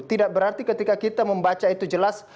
tidak berarti ketika kita membaca itu jelas